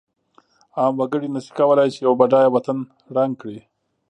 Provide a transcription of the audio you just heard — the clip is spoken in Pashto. عام وګړی نشی کولای چې یو بډایه وطن ړنګ کړی.